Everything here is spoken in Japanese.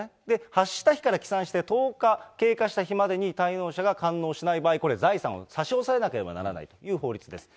発した日から起算して１０日経過した日までに、滞納者が完納しない場合、これ、財産を差し押さえなければならないという法律です。